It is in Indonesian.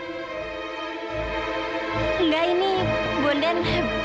enggak ini bundan